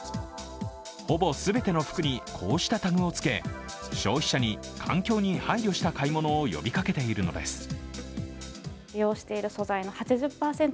ほぼ全ての服にこうしたタグをつけ、消費者に環境に配慮した買い物を呼びかけているのです。